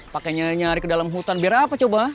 pakainya nyari ke dalam hutan biar apa coba